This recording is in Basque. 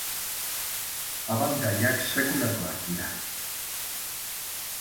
Abantailak, sekulakoak dira.